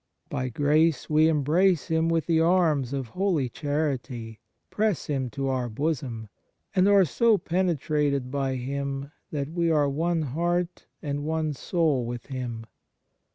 By grace we embrace Him with the arms of holy charity, press 125 THE MARVELS OF DIVINE GRACE Him to our bosom, and are so penetrated by Him that we are one heart and one soul with Him.